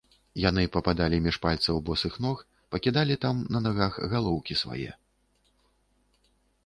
Яны пападалі між пальцаў босых ног, пакідалі там на нагах галоўкі свае.